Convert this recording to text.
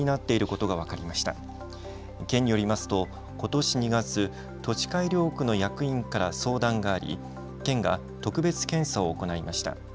県によりますと、ことし２月、土地改良区の役員から相談があり県が特別検査を行いました。